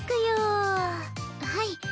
はい。